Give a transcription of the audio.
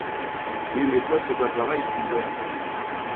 Oui mais toi c’est pas pareil, Fulbert…